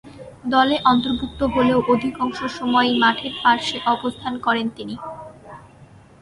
দলে অন্তর্ভুক্ত হলেও অধিকাংশ সময়ই মাঠের পার্শ্বে অবস্থান করেন তিনি।